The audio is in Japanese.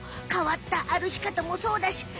変わったあるき方もそうだし